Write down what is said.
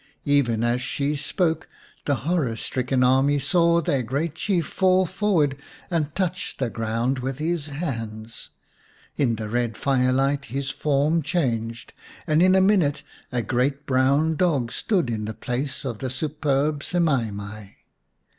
Even as she spoke the horror stricken army saw their great Chief fall forward and touch the ground with his hands. In the red firelight his form changed, and in a minute a great brown 169 The Story of Semai mai xiv dog stood in the place of the superb Semai mai.